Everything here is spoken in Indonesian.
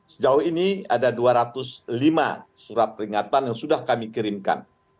sejauh ini ada dua ratus lima surat peringatan yang sudah kami kirimkan